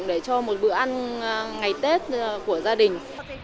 để cho một bữa ăn ngày tết của gia đình